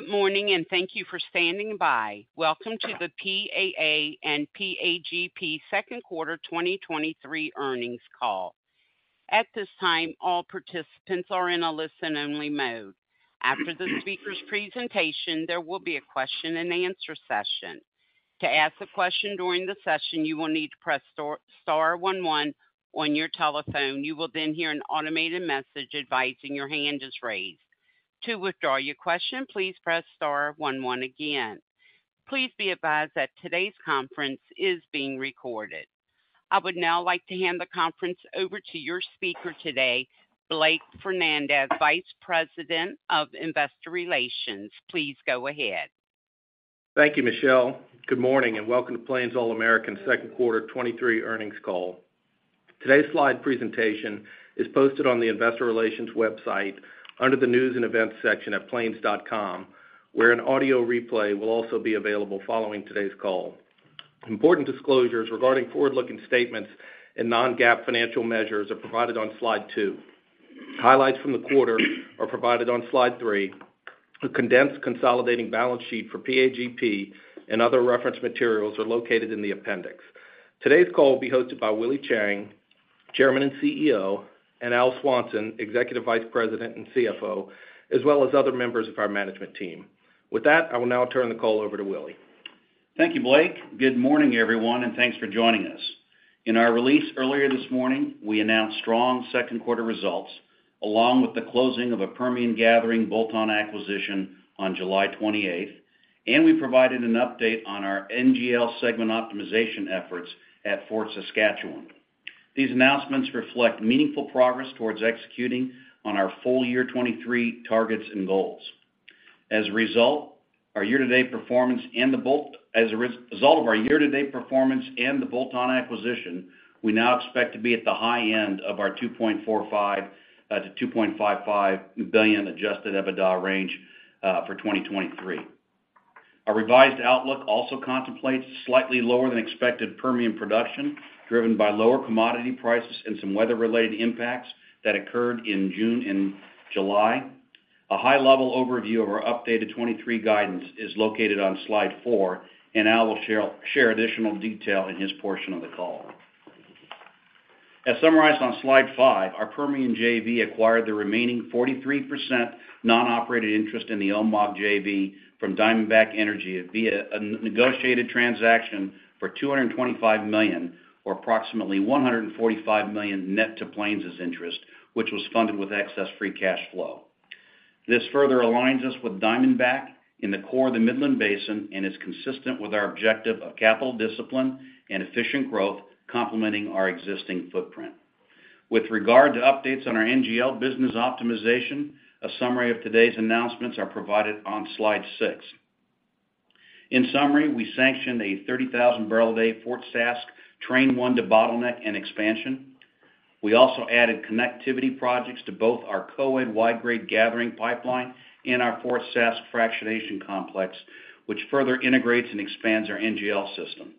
Good morning. Thank you for standing by. Welcome to the PAA and PAGP Second Quarter 2023 Earnings Call. At this time, all participants are in a listen-only mode. After the speaker's presentation, there will be a question-and-answer session. To ask a question during the session, you will need to press star one one on your telephone. You will hear an automated message advising your hand is raised. To withdraw your question, please press star one one again. Please be advised that today's conference is being recorded. I would now like to hand the conference over to your speaker today, Blake Fernandez, Vice President of Investor Relations. Please go ahead. Thank you, Michelle. Good morning, and welcome to Plains All American second quarter 2023 earnings call. Today's slide presentation is posted on the investor relations website under the News and Events section at plains.com, where an audio replay will also be available following today's call. Important disclosures regarding forward-looking statements and non-GAAP financial measures are provided on slide 2. Highlights from the quarter are provided on slide 3. A condensed consolidating balance sheet for PAGP and other reference materials are located in the appendix. Today's call will be hosted by Willie Chiang, Chairman and CEO, and Al Swanson, Executive Vice President and CFO, as well as other members of our management team. With that, I will now turn the call over to Willie. Thank you, Blake. Good morning, everyone, and thanks for joining us. In our release earlier this morning, we announced strong second quarter results, along with the closing of a Permian gathering bolt-on acquisition on July 28th, and we provided an update on our NGL segment optimization efforts at Fort Saskatchewan. These announcements reflect meaningful progress towards executing on our full year 2023 targets and goals. As a result, our year-to-date performance and the bolt-on acquisition, we now expect to be at the high end of our $2.45 billion-$2.55 billion adjusted EBITDA range for 2023. Our revised outlook also contemplates slightly lower than expected Permian production, driven by lower commodity prices and some weather-related impacts that occurred in June and July. A high-level overview of our updated 2023 guidance is located on Slide 4. Al will share additional detail in his portion of the call. As summarized on Slide 5, our Permian JV acquired the remaining 43% non-operated interest in the OMOG JV from Diamondback Energy via a negotiated transaction for $225 million, or approximately $145 million net to Plains's interest, which was funded with excess free cash flow. This further aligns us with Diamondback in the core of the Midland Basin and is consistent with our objective of capital discipline and efficient growth, complementing our existing footprint. With regard to updates on our NGL business optimization, a summary of today's announcements are provided on Slide 6. In summary, we sanctioned a 30,000 barrel a day Fort Sask Train 1 to bottleneck and expansion. We also added connectivity projects to both our Co-Ed Y-grade gathering pipeline and our Fort Sask fractionation complex, which further integrates and expands our NGL system.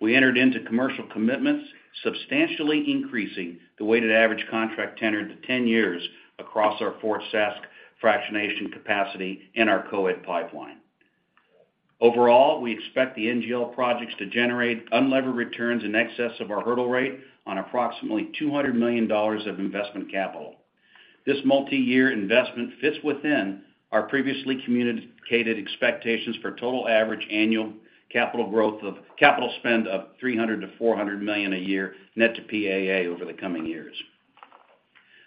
We entered into commercial commitments, substantially increasing the weighted average contract tenured to 10 years across our Fort Sask fractionation capacity and our Co-Ed pipeline. Overall, we expect the NGL projects to generate unlevered returns in excess of our hurdle rate on approximately $200 million of investment capital. This multi-year investment fits within our previously communicated expectations for total average annual capital spend of $300 million-$400 million a year net to PAA over the coming years.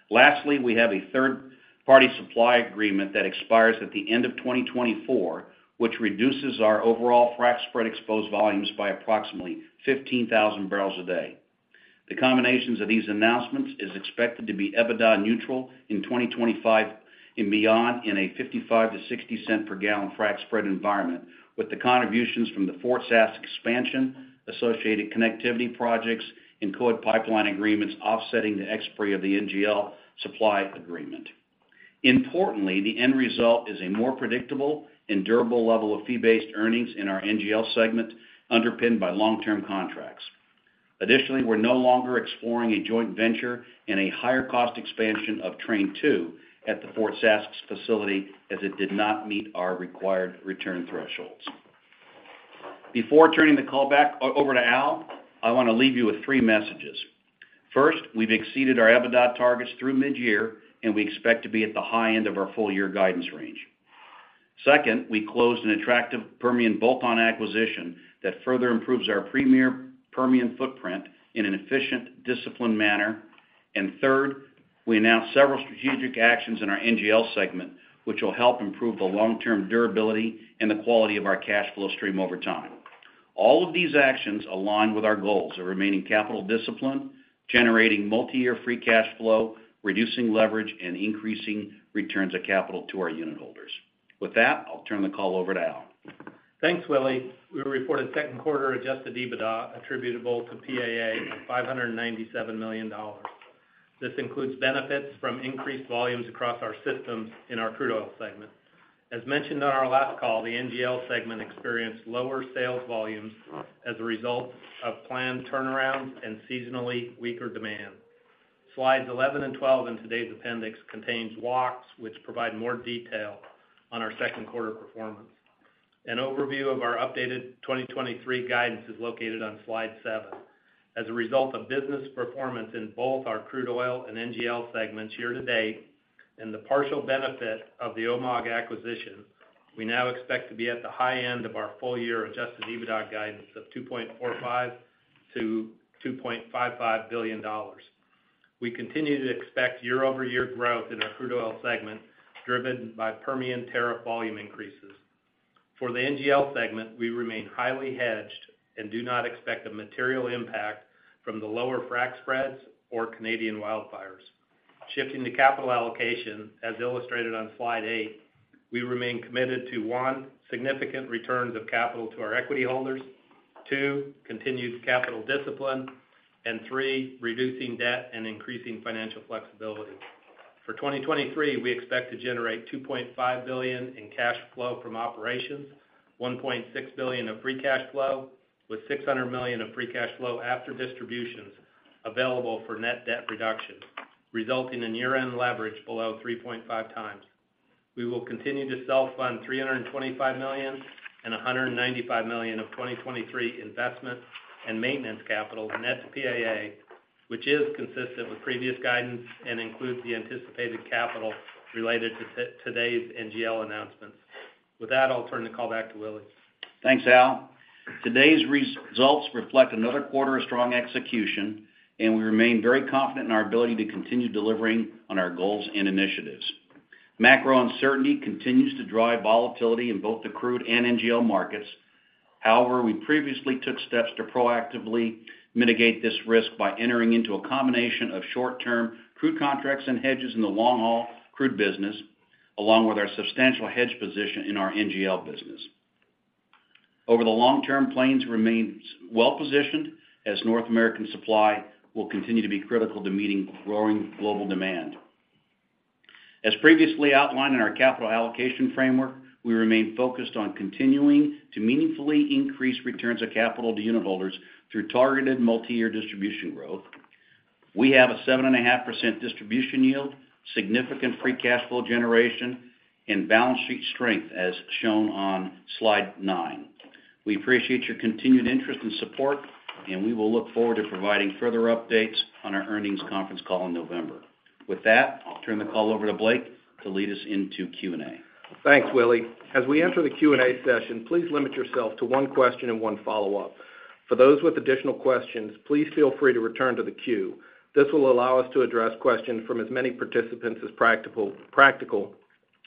Lastly, we have a third-party supply agreement that expires at the end of 2024, which reduces our overall frac spread exposed volumes by approximately 15,000 barrels a day. The combinations of these announcements is expected to be EBITDA neutral in 2025 and beyond in a $0.55-$0.60 per gallon frac spread environment, with the contributions from the Fort Sask expansion, associated connectivity projects and Co-Ed pipeline agreements offsetting the ex-pre of the NGL supply agreement. Importantly, the end result is a more predictable and durable level of fee-based earnings in our NGL segment, underpinned by long-term contracts. Additionally, we're no longer exploring a joint venture and a higher cost expansion of Train 2 at the Fort Sask facility as it did not meet our required return thresholds. Before turning the call back over to Al, I want to leave you with three messages. First, we've exceeded our EBITDA targets through mid-year, and we expect to be at the high end of our full year guidance range. Second, we closed an attractive Permian bolt-on acquisition that further improves our premier Permian footprint in an efficient, disciplined manner. Third, we announced several strategic actions in our NGL segment, which will help improve the long-term durability and the quality of our cash flow stream over time. All of these actions align with our goals of remaining capital discipline, generating multi-year free cash flow, reducing leverage, and increasing returns of capital to our unit holders. With that, I'll turn the call over to Al. Thanks, Willie. We reported second quarter adjusted EBITDA attributable to PAA of $597 million. This includes benefits from increased volumes across our systems in our crude oil segment. As mentioned on our last call, the NGL segment experienced lower sales volumes as a result of planned turnarounds and seasonally weaker demand.... Slides 11 and 12 in today's appendix contains walks, which provide more detail on our second quarter performance. An overview of our updated 2023 guidance is located on slide 7. As a result of business performance in both our crude oil and NGL segments year-to-date, and the partial benefit of the OMOG acquisition, we now expect to be at the high end of our full-year adjusted EBITDA guidance of $2.45 billion-$2.55 billion. We continue to expect year-over-year growth in our crude oil segment, driven by Permian tariff volume increases. For the NGL segment, we remain highly hedged and do not expect a material impact from the lower frac spreads or Canadian wildfires. Shifting to capital allocation, as illustrated on slide 8, we remain committed to, 1, significant returns of capital to our equity holders, 2, continued capital discipline, and 3, reducing debt and increasing financial flexibility. For 2023, we expect to generate $2.5 billion in cash flow from operations, $1.6 billion of free cash flow, with $600 million of free cash flow after distributions available for net debt reduction, resulting in year-end leverage below 3.5 times. We will continue to self-fund $325 million and $195 million of 2023 investment and maintenance capital, net PAA, which is consistent with previous guidance and includes the anticipated capital related to today's NGL announcements. With that, I'll turn the call back to Willie. Thanks, Al. Today's results reflect another quarter of strong execution, we remain very confident in our ability to continue delivering on our goals and initiatives. Macro uncertainty continues to drive volatility in both the crude and NGL markets. However, we previously took steps to proactively mitigate this risk by entering into a combination of short-term crude contracts and hedges in the long-haul crude business, along with our substantial hedge position in our NGL business. Over the long term, Plains remains well-positioned as North American supply will continue to be critical to meeting growing global demand. As previously outlined in our capital allocation framework, we remain focused on continuing to meaningfully increase returns of capital to unitholders through targeted multi-year distribution growth. We have a 7.5% distribution yield, significant free cash flow generation, and balance sheet strength, as shown on slide 9. We appreciate your continued interest and support, and we will look forward to providing further updates on our earnings conference call in November. With that, I'll turn the call over to Blake to lead us into Q&A. Thanks, Willie. As we enter the Q&A session, please limit yourself to one question and one follow-up. For those with additional questions, please feel free to return to the queue. This will allow us to address questions from as many participants as practical, practical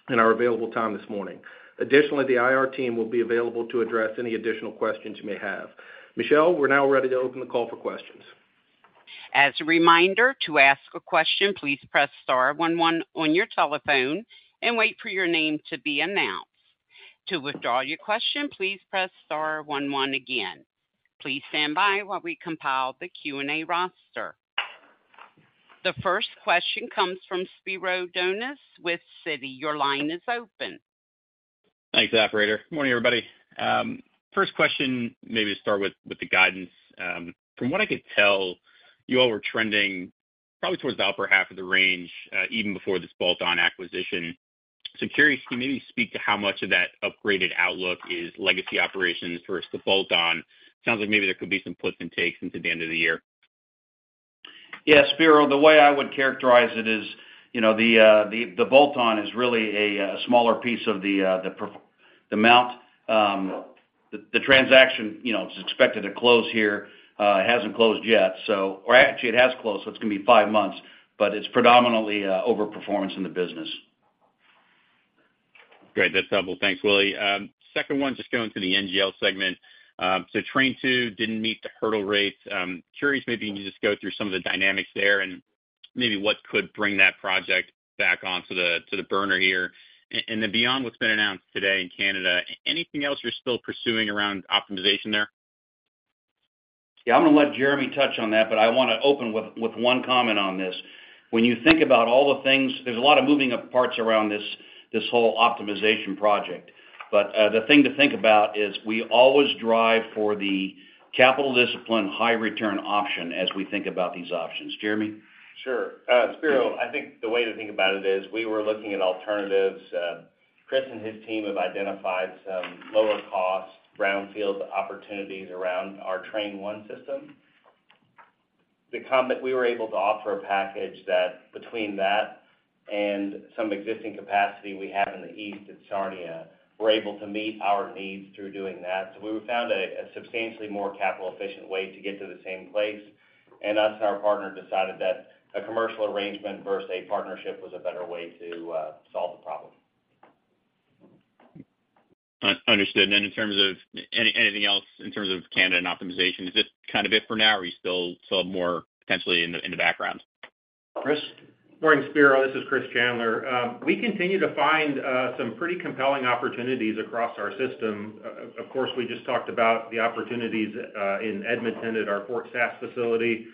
in our available time this morning. Additionally, the IR team will be available to address any additional questions you may have. Michelle, we're now ready to open the call for questions. As a reminder, to ask a question, please press star one one on your telephone and wait for your name to be announced. To withdraw your question, please press star one one again. Please stand by while we compile the Q&A roster. The first question comes from Spiro Dounis with Citi. Your line is open. Thanks, operator. Good morning, everybody. First question, maybe to start with, with the guidance. From what I could tell, you all were trending probably towards the upper half of the range, even before this bolt-on acquisition. Curious, can you maybe speak to how much of that upgraded outlook is legacy operations versus the bolt-on? Sounds like maybe there could be some puts and takes into the end of the year. Yeah, Spiro, the way I would characterize it is, you know, the, the bolt-on is really a smaller piece of the amount. The transaction, you know, is expected to close here, it hasn't closed yet, or actually, it has closed, so it's going to be five months, but it's predominantly overperformance in the business. Great. That's helpful. Thanks, Willie. Second one, just going to the NGL segment. Train 2 didn't meet the hurdle rates. Curious, maybe you just go through some of the dynamics there and maybe what could bring that project back onto the, to the burner here. Then beyond what's been announced today in Canada, anything else you're still pursuing around optimization there? Yeah, I'm going to let Jeremy touch on that, but I want to open with, with one comment on this. When you think about all the things, there's a lot of moving of parts around this, this whole optimization project. The thing to think about is we always drive for the capital discipline, high return option as we think about these options. Jeremy? Sure. Spiro, I think the way to think about it is, we were looking at alternatives. Chris and his team have identified some lower cost brownfield opportunities around our Train 1 system. We were able to offer a package that between that and some existing capacity we have in the east at Sarnia, we're able to meet our needs through doing that. We found a substantially more capital-efficient way to get to the same place, and us and our partner decided that a commercial arrangement versus a partnership was a better way to solve the problem. Understood. In terms of anything else, in terms of Canada and optimization, is this kind of it for now, or are you still more potentially in the background? Chris? Morning, Spiro. This is Chris Chandler. We continue to find some pretty compelling opportunities across our system. Of course, we just talked about the opportunities in Edmonton at our Fort Sask facility,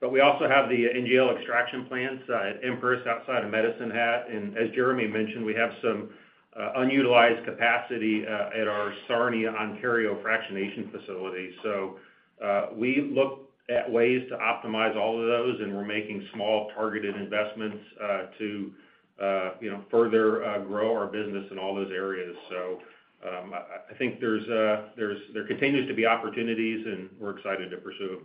but we also have the NGL extraction plants at Empress outside of Medicine Hat. As Jeremy mentioned, we have some unutilized capacity at our Sarnia, Ontario, fractionation facility. We look at ways to optimize all of those, and we're making small, targeted investments to, you know, further grow our business in all those areas. I, I think there continues to be opportunities, and we're excited to pursue.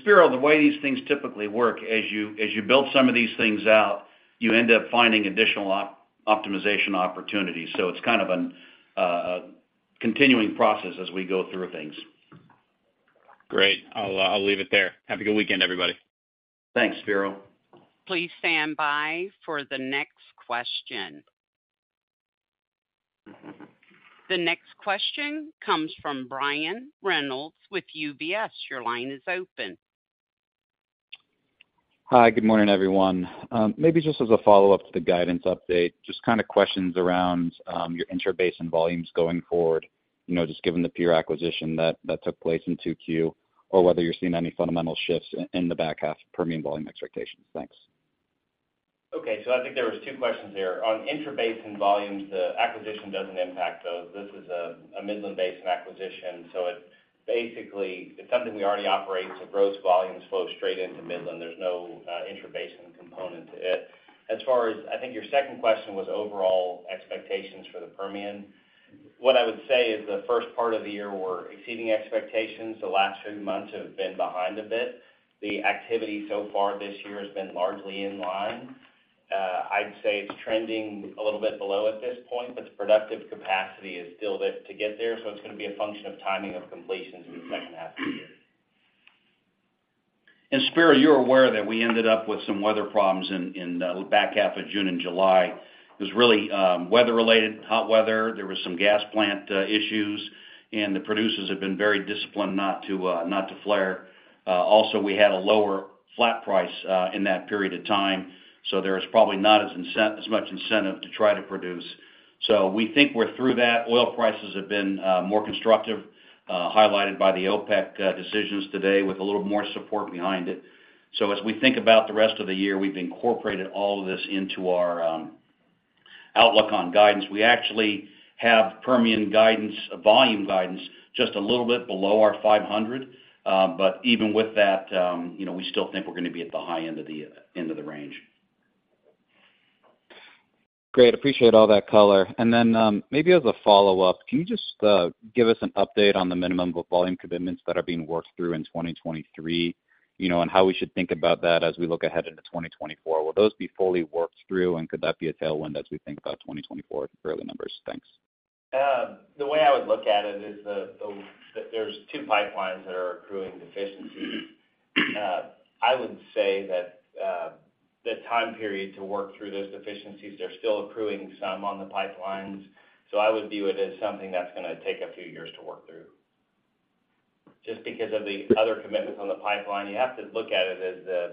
Spiro, the way these things typically work, as you build some of these things out, you end up finding additional optimization opportunities. It's kind of a continuing process as we go through things. Great. I'll leave it there. Have a good weekend, everybody. Thanks, Spiro. Please stand by for the next question. The next question comes from Brian Reynolds with UBS. Your line is open. Hi, good morning, everyone. Maybe just as a follow-up to the guidance update, just kind of questions around your intrabasin volumes going forward, you know, just given the peer acquisition that, that took place in 2Q, or whether you're seeing any fundamental shifts in, in the back half Permian volume expectations. Thanks. I think there was 2 questions there. On intrabasin volumes, the acquisition doesn't impact those. This is a Midland-based acquisition, so it basically, it's something we already operate, so gross volumes flow straight into Midland. There's no intrabasin component to it. As far as I think your second question was overall expectations for the Permian. What I would say is the first part of the year, we're exceeding expectations. The last few months have been behind a bit. The activity so far this year has been largely in line. I'd say it's trending a little bit below at this point, but the productive capacity is still there to get there, so it's gonna be a function of timing of completions in the second half of the year. Spiro, you're aware that we ended up with some weather problems in, in the back half of June and July. It was really weather-related, hot weather. There was some gas plant issues, and the producers have been very disciplined not to, not to flare. Also, we had a lower flat price, in that period of time, so there was probably not as incent- as much incentive to try to produce. We think we're through that. Oil prices have been more constructive, highlighted by the OPEC decisions today with a little more support behind it. As we think about the rest of the year, we've incorporated all of this into our outlook on guidance. We actually have Permian guidance, volume guidance, just a little bit below our 500. Even with that, you know, we still think we're gonna be at the high end of the, end of the range. Great. Appreciate all that color. Maybe as a follow-up, can you just give us an update on the minimum volume commitments that are being worked through in 2023? You know, how we should think about that as we look ahead into 2024. Will those be fully worked through, and could that be a tailwind as we think about 2024 for early numbers? Thanks. The way I would look at it is the, the, that there's two pipelines that are accruing deficiencies. I would say that the time period to work through those deficiencies, they're still accruing some on the pipelines, so I would view it as something that's gonna take a few years to work through. Just because of the other commitments on the pipeline, you have to look at it as the,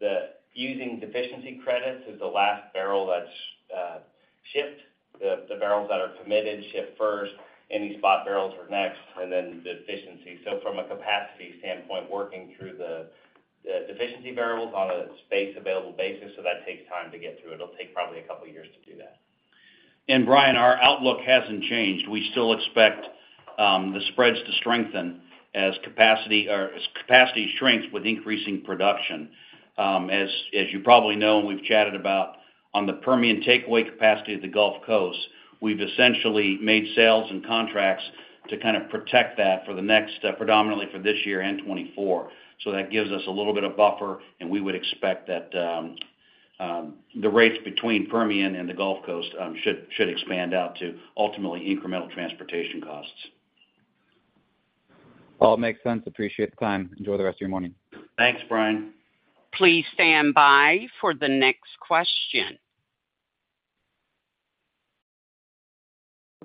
the using deficiency credits is the last barrel that's shipped. The, the barrels that are committed ship first, any spot barrels are next, and then the deficiency. From a capacity standpoint, working through the, the deficiency barrels on a space available basis, so that takes time to get through. It'll take probably a couple of years to do that. Brian, our outlook hasn't changed. We still expect the spreads to strengthen as capacity, or as capacity shrinks with increasing production. As, as you probably know, and we've chatted about on the Permian takeaway capacity of the Gulf Coast, we've essentially made sales and contracts to kind of protect that for the next, predominantly for this year and 2024. That gives us a little bit of buffer, and we would expect that the rates between Permian and the Gulf Coast should, should expand out to ultimately incremental transportation costs. All makes sense. Appreciate the time. Enjoy the rest of your morning. Thanks, Brian. Please stand by for the next question.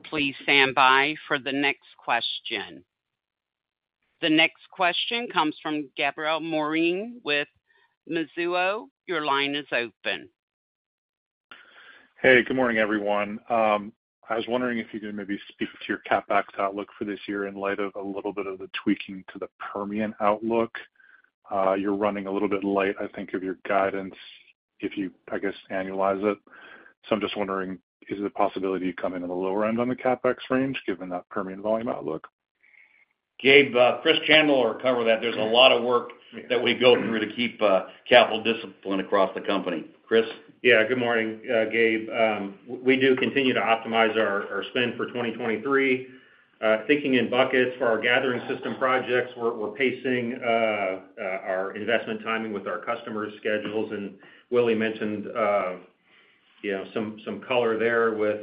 Please stand by for the next question. The next question comes from Gabriel Moreen with Mizuho. Your line is open. Hey, good morning, everyone. I was wondering if you could maybe speak to your CapEx outlook for this year in light of a little bit of the tweaking to the Permian outlook. You're running a little bit light, I think, of your guidance, if you, I guess, annualize it. I'm just wondering, is it a possibility you come in on the lower end on the CapEx range given that Permian volume outlook? Gabe, Chris Chandler will cover that. There's a lot of work that we go through to keep capital discipline across the company. Chris? Yeah, good morning, Gabe. We do continue to optimize our spend for 2023. Thinking in buckets for our gathering system projects, we're pacing our investment timing with our customers' schedules. Willie mentioned, you know, some color there with,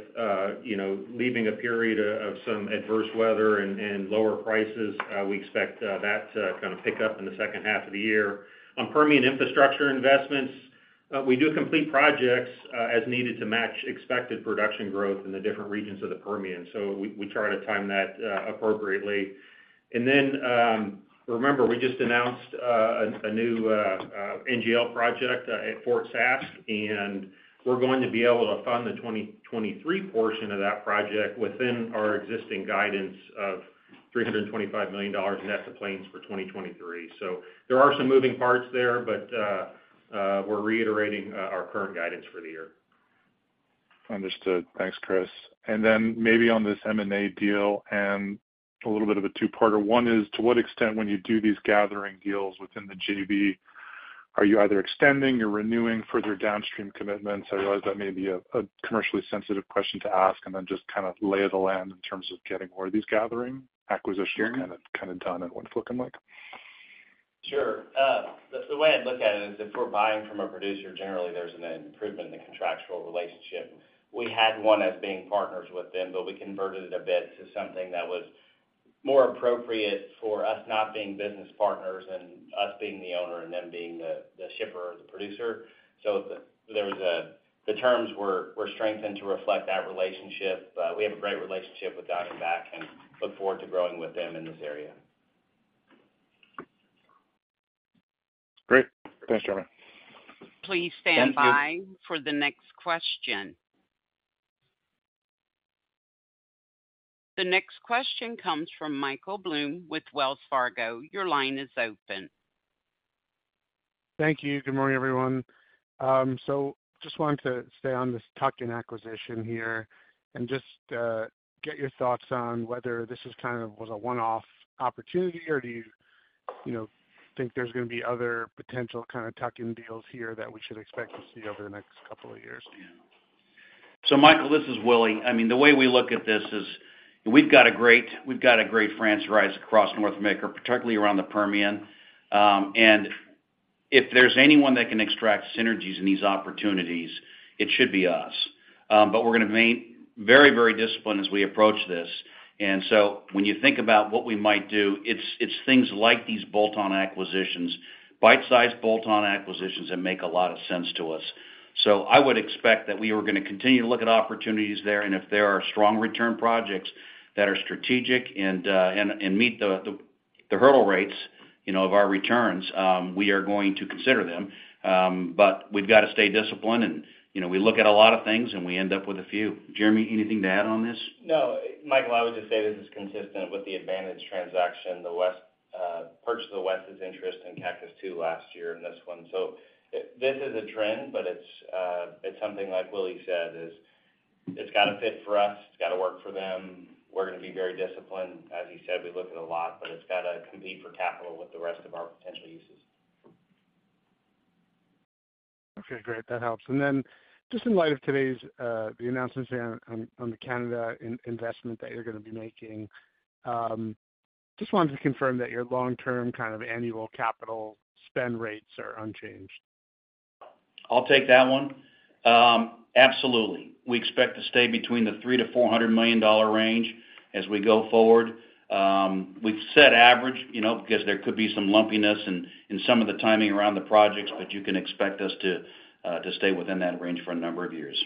you know, leaving a period of some adverse weather and lower prices. We expect that to kind of pick up in the second half of the year. On Permian infrastructure investments, we do complete projects as needed to match expected production growth in the different regions of the Permian, so we try to time that appropriately. Remember, we just announced a new NGL project at Fort Sask, and we're going to be able to fund the 2023 portion of that project within our existing guidance of $325 million net of Plains for 2023. There are some moving parts there, but we're reiterating our current guidance for the year. Understood. Thanks, Chris. Then maybe on this M&A deal and a little bit of a two-parter. One is, to what extent when you do these gathering deals within the GB, are you either extending or renewing further downstream commitments? I realize that may be a, a commercially sensitive question to ask, and then just kind of lay of the land in terms of getting more of these gathering acquisitions kind of, kind of done and what it's looking like. Sure. The way I'd look at it is if we're buying from a producer, generally, there's an improvement in the contractual relationship. We had one as being partners with them, we converted it a bit to something that was more appropriate for us not being business partners and us being the owner and them being the shipper or the producer. The terms were strengthened to reflect that relationship. We have a great relationship with Diamondback and look forward to growing with them in this area. Great. Thanks, Jeremy. Please stand by for the next question. The next question comes from Michael Blum with Wells Fargo. Your line is open. Thank you. Good morning, everyone. Just wanted to stay on this tuck-in acquisition here and just get your thoughts on whether this is was a one-off opportunity, or do you, you know, think there's going to be other potential tuck-in deals here that we should expect to see over the next couple of years? Michael, this is Willie. I mean, the way we look at this is, we've got a great, we've got a great franchise across North America, particularly around the Permian. If there's anyone that can extract synergies in these opportunities, it should be us. We're going to remain very, very disciplined as we approach this. When you think about what we might do, it's, it's things like these bolt-on acquisitions, bite-sized bolt-on acquisitions, that make a lot of sense to us. I would expect that we were going to continue to look at opportunities there, and if there are strong return projects that are strategic and, and, and meet the, the, the hurdle rates, you know, of our returns, we are going to consider them. We've got to stay disciplined, and, you know, we look at a lot of things, and we end up with a few. Jeremy, anything to add on this? No, Michael, I would just say this is consistent with the Advantage transaction, the West purchase of the West's interest in Cactus II last year and this one. This is a trend, but it's, it's something like Willie said, is, it's got to fit for us, it's got to work for them. We're going to be very disciplined. As he said, we look at a lot, but it's got to compete for capital with the rest of our potential uses. Okay, great. That helps. Then just in light of today's, the announcements there on, on the Canada investment that you're going to be making, just wanted to confirm that your long-term kind of annual capital spend rates are unchanged. I'll take that one. Absolutely. We expect to stay between the $300 million-$400 million range as we go forward. We've set average, you know, because there could be some lumpiness in, in some of the timing around the projects, but you can expect us to stay within that range for a number of years.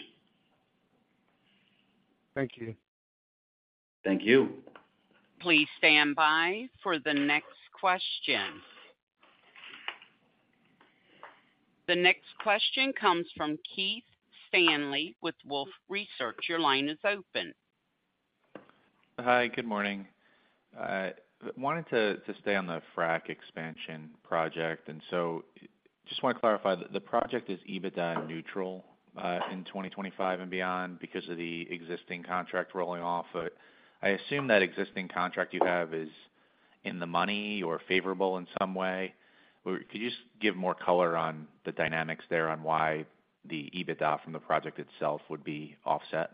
Thank you. Thank you. Please stand by for the next question. The next question comes from Keith Stanley with Wolfe Research. Your line is open. Hi, good morning. I wanted to, to stay on the frac expansion project, and so just want to clarify, the project is EBITDA neutral, in 2025 and beyond because of the existing contract rolling off. I assume that existing contract you have is in the money or favorable in some way. Could you just give more color on the dynamics there on why the EBITDA from the project itself would be offset?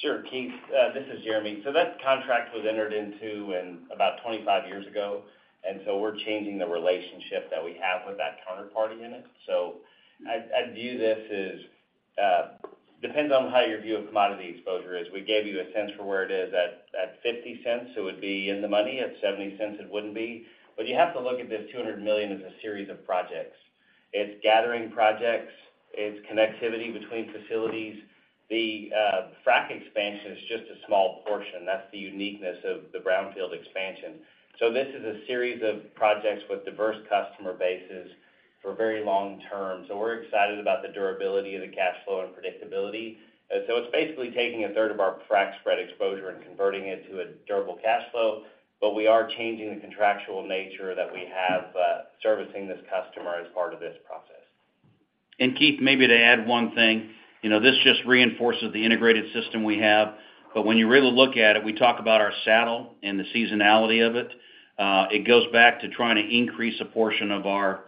Sure, Keith. This is Jeremy. That contract was entered into in about 25 years ago, and so we're changing the relationship that we have with that counterparty in it. I'd view this as, depends on how your view of commodity exposure is. We gave you a sense for where it is. At $0.50, it would be in the money, at $0.70, it wouldn't be. You have to look at this $200 million as a series of projects. It's gathering projects, it's connectivity between facilities. The frac expansion is just a small portion. That's the uniqueness of the brownfield expansion. This is a series of projects with diverse customer bases for very long term. We're excited about the durability of the cash flow and predictability. It's basically taking a third of our frac spread exposure and converting it to a durable cash flow, but we are changing the contractual nature that we have, servicing this customer as part of this process. Keith, maybe to add one thing, you know, this just reinforces the integrated system we have. When you really look at it, we talk about our saddle and the seasonality of it. It goes back to trying to increase a portion of our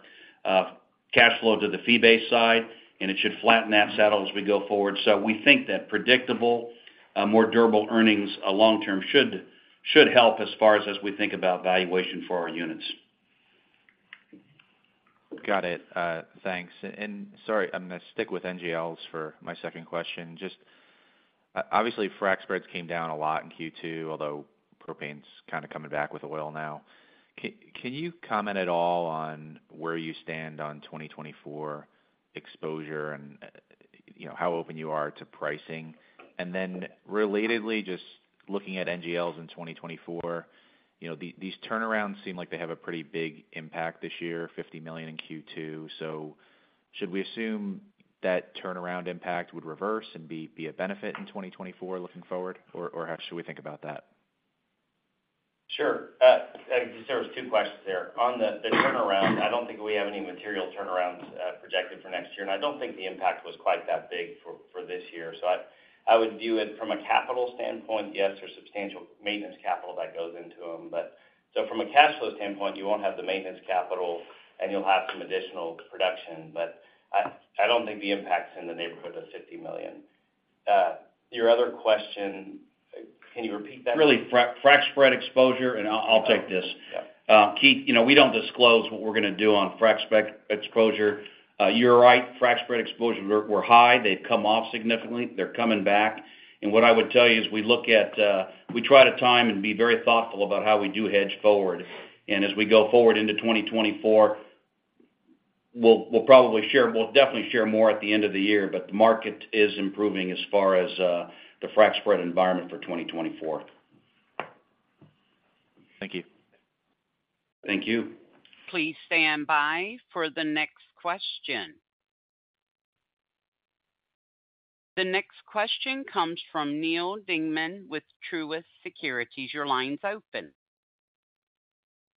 cash flow to the fee-based side, and it should flatten that saddle as we go forward. We think that predictable, more durable earnings, long term should, should help as far as, as we think about valuation for our units. Got it. Thanks. Sorry, I'm going to stick with NGLs for my second question. Just, obviously, frac spreads came down a lot in Q2, although propane's kind of coming back with oil now. Can you comment at all on where you stand on 2024 exposure and, you know, how open you are to pricing? Relatedly, just looking at NGLs in 2024, you know, these turnarounds seem like they have a pretty big impact this year, $50 million in Q2. Should we assume that turnaround impact would reverse and be a benefit in 2024 looking forward, or how should we think about that? Sure. I think there was two questions there. On the turnaround, I don't think we have any material turnarounds projected for next year, and I don't think the impact was quite that big for this year. I, I would view it from a capital standpoint, yes, there's substantial maintenance capital that goes into them. From a cash flow standpoint, you won't have the maintenance capital, and you'll have some additional production, but I, I don't think the impact's in the neighborhood of $50 million. Your other question, can you repeat that? Really, frac spread exposure, and I'll take this. Yeah. Keith, you know, we don't disclose what we're going to do on frac spread exposure. You're right, frac spread exposure were, were high. They've come off significantly. They're coming back. And what I would tell you is we look at, we try to time and be very thoughtful about how we do hedge forward. And as we go forward into 2024, we'll, we'll probably share-- we'll definitely share more at the end of the year, but the market is improving as far as the frac spread environment for 2024. Thank you. Thank you. Please stand by for the next question. The next question comes from Neal Dingman with Truist Securities. Your line's open.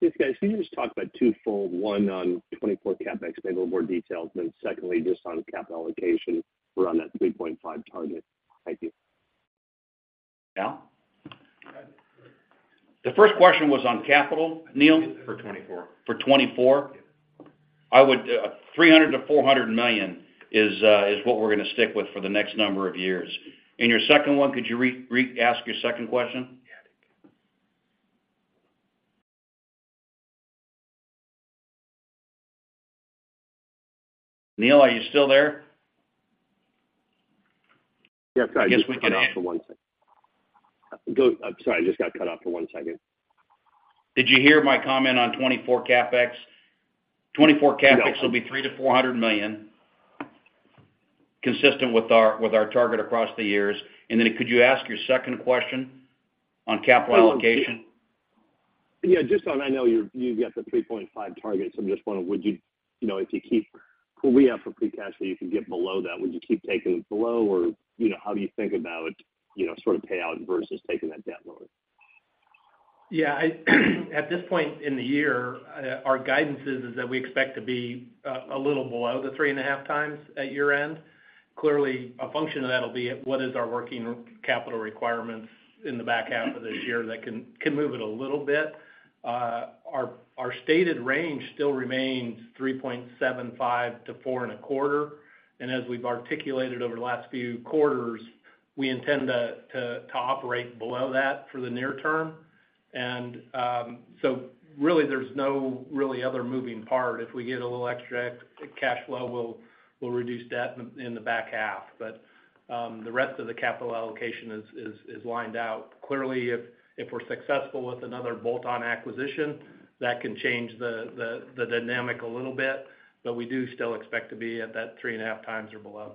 Yes, guys. Can you just talk about twofold, one on 2024 CapEx, maybe a little more details, and then secondly, just on capital allocation, we're on that $3.5 target? Thank you. Now? The first question was on capital, Neil? For 2024. For 2024? Yeah. I would, $300 million-$400 million is what we're going to stick with for the next number of years. Your second one, could you re-re-ask your second question? Yeah. Neil, are you still there? Yes, I just got cut off for one second. I guess we can answer. I'm sorry, I just got cut off for one second. Did you hear my comment on 2024 CapEx? 2024 CapEx- Yes.... will be $300 million-$400 million, consistent with our, with our target across the years. Then could you ask your second question on capital allocation? Yeah, just on I know you, you've got the 3.5 target. I'm just wondering, would you, you know, if you keep where we have for free cash, so you can get below that, would you keep taking it below, or, you know, how do you think about, you know, sort of payout versus taking that debt load? Yeah, at this point in the year, our guidance is, is that we expect to be a little below the 3.5 times at year-end. Clearly, a function of that will be what is our working capital requirements in the back half of this year that can, can move it a little bit. Our, our stated range still remains 3.75 to 4.25. As we've articulated over the last few quarters, we intend to, to, to operate below that for the near term. So really, there's no really other moving part. If we get a little extra cash flow, we'll, we'll reduce debt in the back half. The rest of the capital allocation is, is, is lined out. Clearly, if, if we're successful with another bolt-on acquisition, that can change the, the, the dynamic a little bit, but we do still expect to be at that 3.5 times or below.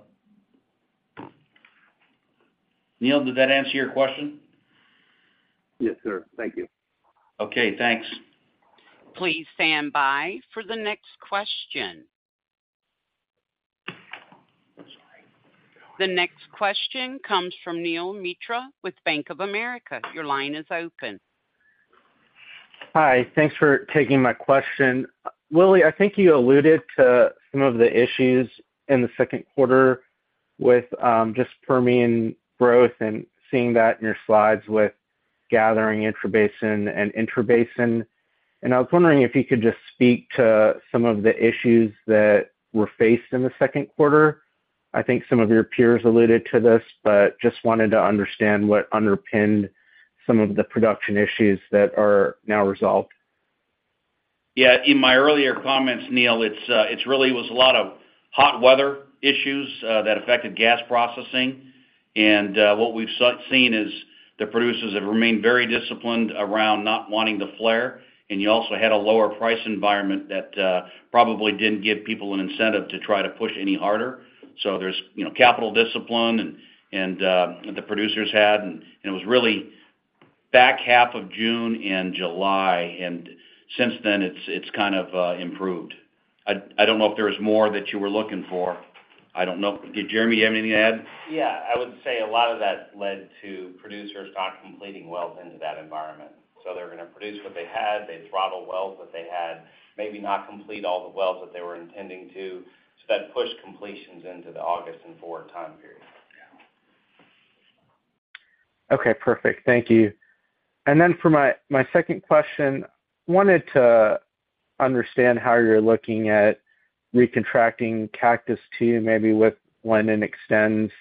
Neal, did that answer your question? Yes, sir. Thank you. Okay, thanks. Please stand by for the next question. The next question comes from Neel Mitra with Bank of America. Your line is open. Hi, thanks for taking my question. Willie, I think you alluded to some of the issues in the second quarter with, just Permian growth and seeing that in your slides with gathering intrabasin and intrabasin. I was wondering if you could just speak to some of the issues that were faced in the second quarter. I think some of your peers alluded to this, but just wanted to understand what underpinned some of the production issues that are now resolved. Yeah, in my earlier comments, Neil, it's really was a lot of hot weather issues that affected gas processing. What we've seen is the producers have remained very disciplined around not wanting to flare, and you also had a lower price environment that probably didn't give people an incentive to try to push any harder. There's, you know, capital discipline and the producers had, and it was really back half of June and July, and since then, it's, it's kind of improved. I don't know if there was more that you were looking for. I don't know. Did Jeremy have anything to add? Yeah, I would say a lot of that led to producers not completing wells into that environment. They're going to produce what they had, they throttle wells that they had, maybe not complete all the wells that they were intending to. That pushed completions into the August and forward time period. Yeah. Okay, perfect. Thank you. For my, my second question, wanted to understand how you're looking at recontracting Cactus II, maybe with when it extends,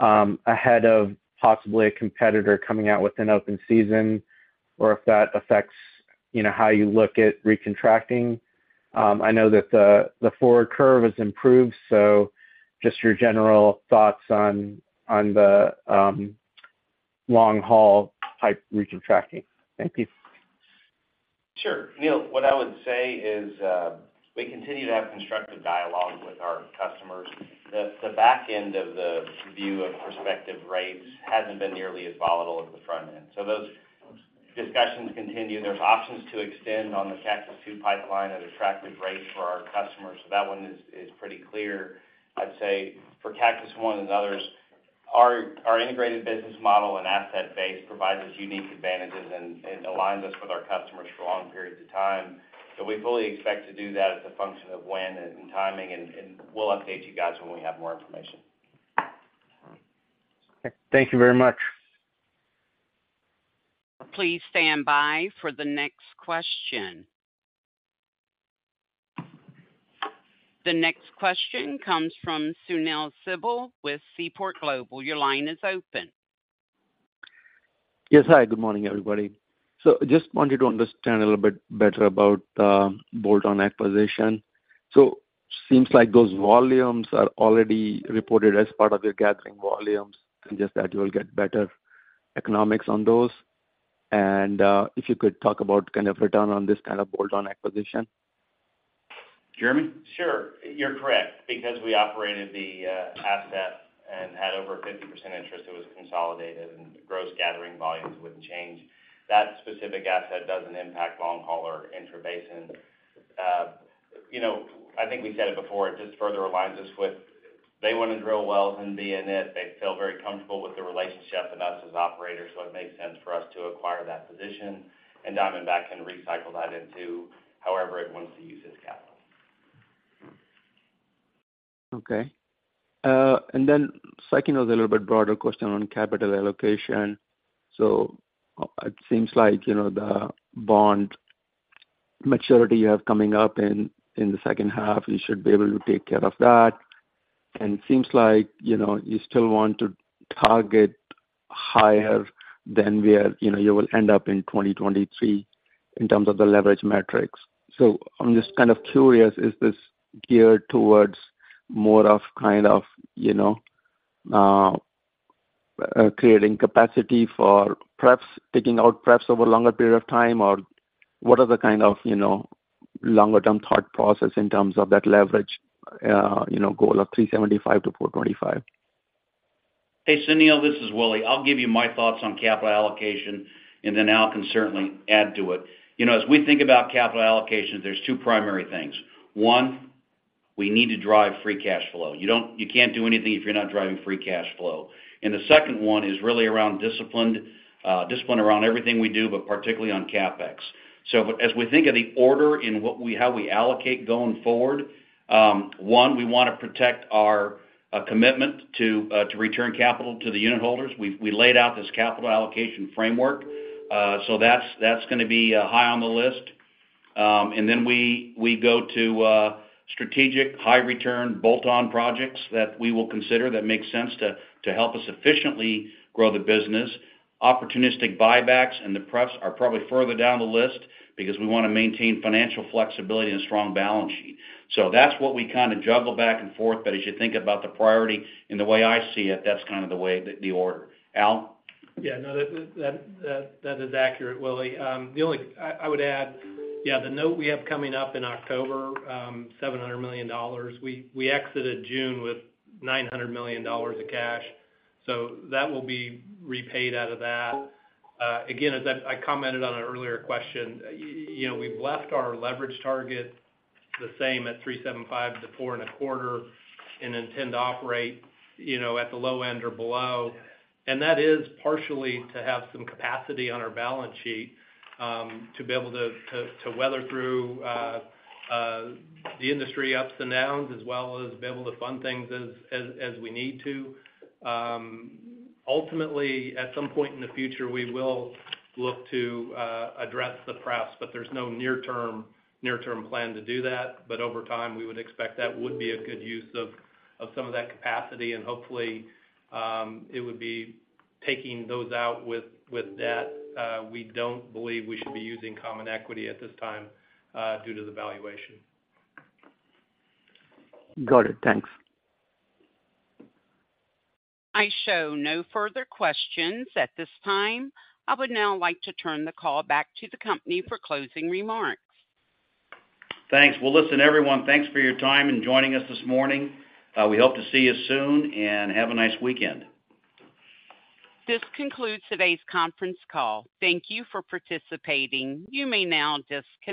ahead of possibly a competitor coming out with an open season, or if that affects, you know, how you look at recontracting. I know that the, the forward curve has improved, so just your general thoughts on, on the, long haul type recontracting. Thank you. Sure. Neil, what I would say is, we continue to have constructive dialogue with our customers. The, the back end of the view of prospective rates hasn't been nearly as volatile as the front end. Those discussions continue. There's options to extend on the Cactus II pipeline at attractive rates for our customers, so that one is, is pretty clear. I'd say for Cactus I and others-... Our, our integrated business model and asset base provides us unique advantages and, and aligns us with our customers for long periods of time. We fully expect to do that as a function of when and timing, and, and we'll update you guys when we have more information. Thank you very much. Please stand by for the next question. The next question comes from Sunil Sibal with Seaport Global. Your line is open. Yes. Hi, good morning, everybody. Just wanted to understand a little bit better about the bolt-on acquisition. Seems like those volumes are already reported as part of your gathering volumes, and just that you will get better economics on those. If you could talk about kind of return on this kind of bolt-on acquisition? Jeremy? Sure. You're correct, because we operated the asset and had over a 50% interest, it was consolidated and gross gathering volumes wouldn't change. That specific asset doesn't impact long haul or intrabasin. You know, I think we said it before, it just further aligns us with. They want to drill wells and be in it. They feel very comfortable with the relationship and us as operators, so it makes sense for us to acquire that position, and Diamondback can recycle that into however it wants to use its capital. Okay. Then second, was a little bit broader question on capital allocation. It seems like, you know, the bond maturity you have coming up in, in the second half, you should be able to take care of that. It seems like, you know, you still want to target higher than where, you know, you will end up in 2023 in terms of the leverage metrics. I'm just kind of curious, is this geared towards more of kind of, you know, creating capacity for perhaps taking out, perhaps, over a longer period of time? Or what are the kind of, you know, longer-term thought process in terms of that leverage, you know, goal of 3.75 to 4.25? Hey, Sunil, this is Willie. I'll give you my thoughts on capital allocation, and then Al can certainly add to it. You know, as we think about capital allocation, there's 2 primary things. One, we need to drive free cash flow. You can't do anything if you're not driving free cash flow. The second one is really around disciplined discipline around everything we do, but particularly on CapEx. As we think of the order in what we, how we allocate going forward, one, we want to protect our commitment to return capital to the unitholders. We, we laid out this capital allocation framework, so that's, that's going to be high on the list. We, we go to strategic high return bolt-on projects that we will consider that make sense to, to help us efficiently grow the business. Opportunistic buybacks and the prefs are probably further down the list because we want to maintain financial flexibility and a strong balance sheet. That's what we kind of juggle back and forth. As you think about the priority, and the way I see it, that's kind of the way, the order. Al? Yeah, no, that, that, that, that is accurate, Willie. The only... I, I would add, yeah, the note we have coming up in October, $700 million, we, we exited June with $900 million of cash, so that will be repaid out of that. Again, as I, I commented on an earlier question, you know, we've left our leverage target the same at 3.75 to 4.25, and intend to operate, you know, at the low end or below. That is partially to have some capacity on our balance sheet, to be able to, to, to weather through, the industry ups and downs, as well as be able to fund things as, as, as we need to. Ultimately, at some point in the future, we will look to address the prefs, but there's no near term, near-term plan to do that. Over time, we would expect that would be a good use of, of some of that capacity, and hopefully, it would be taking those out with, with debt. We don't believe we should be using common equity at this time, due to the valuation. Got it. Thanks. I show no further questions at this time. I would now like to turn the call back to the company for closing remarks. Thanks. Well, listen, everyone, thanks for your time and joining us this morning. We hope to see you soon and have a nice weekend. This concludes today's conference call. Thank you for participating. You may now disconnect.